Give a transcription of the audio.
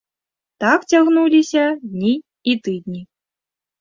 Так цягнуліся дні і тыдні.